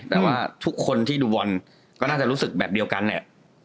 แต่ว่าทุกคนที่ดูบรอลในกลุ่มไตล์ก็น่าจะรู้สึกแบบเดียวกันเนี่ย